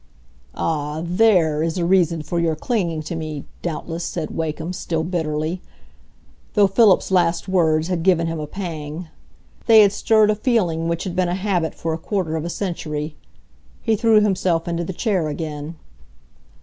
"Ah, there is a reason for your clinging to me, doubtless," said Wakem, still bitterly, though Philip's last words had given him a pang; they had stirred a feeling which had been a habit for a quarter of a century. He threw himself into the chair again.